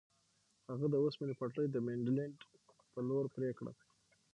هغه د اوسپنې پټلۍ د مینډلینډ په لور پرې کړه.